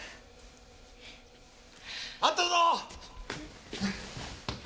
あったぞー！